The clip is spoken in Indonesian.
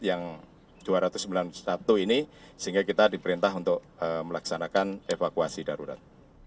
yang dua ratus sembilan puluh satu ini sehingga kita diperintah untuk melaksanakan evakuasi darurat